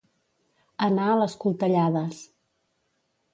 Anar a les coltellades.